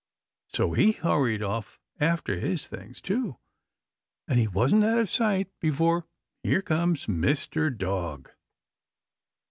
So he hurried off after his things, too, and he wasn't out of sight before here comes Mr. Dog!